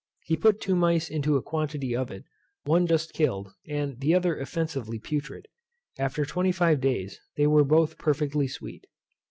He put two mice into a quantity of it, one just killed, the other offensively putrid. After twenty five days they were both perfectly sweet.